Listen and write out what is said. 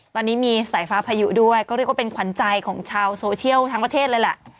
ตอนนี้มีสายฟ้าพายุด้วยก็เรียกว่าเป็นขวัญใจของชาวโซเชียลทั้งประเทศเลยแหละ